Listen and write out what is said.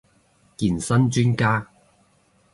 健身專家